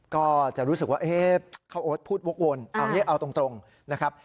ก็จะรู้สึกว่าเอ๊ะข้าวโอ๊ตพูดวกวนเอาตรงนะครับ